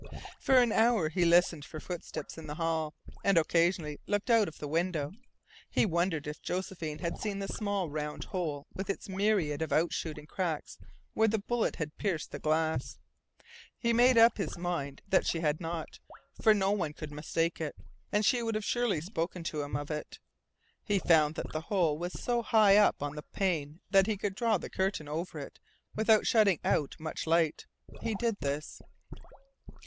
For an hour he listened for footsteps in the hall, and occasionally looked out of the window. He wondered if Josephine had seen the small round hole with its myriad of out shooting cracks where the bullet had pierced the glass. He had made up his mind that she had not, for no one could mistake it, and she would surely have spoken to him of it. He found that the hole was so high up on the pane that he could draw the curtain over it without shutting out much light. He did this.